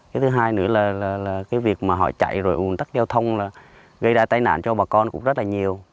cái thứ hai nữa là cái việc mà họ chạy rồi ủn tắc giao thông là gây ra tai nạn cho bà con cũng rất là nhiều